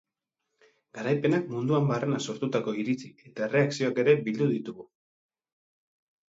Garaipenak munduan barrena sortutako iritzi eta erreakzioak ere bildu ditugu.